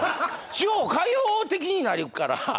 地方開放的になるから。